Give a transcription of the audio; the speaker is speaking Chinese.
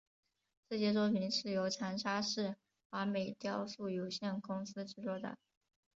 这些作品是由长沙市华美雕塑有限公司制作的。